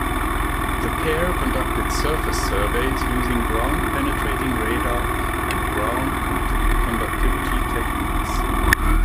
The pair conducted surface surveys using ground penetrating radar and ground conductivity techniques.